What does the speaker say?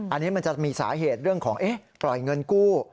อันนี้มันจะมีสาเหตุเรื่องของปล่อยเงินกู้